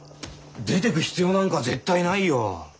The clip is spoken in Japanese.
出てく必要なんか絶対ないよ。